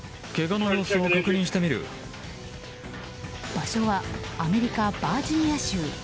場所はアメリカ・バージニア州。